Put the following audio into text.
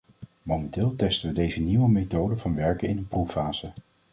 Momenteel testen we deze nieuwe methode van werken in een proeffase.